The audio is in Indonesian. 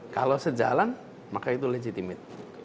kalau sejalan maka itu legitimit